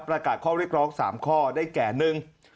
ประกาศข้อเรียกร้อง๓ข้อได้แก่หนึ่ง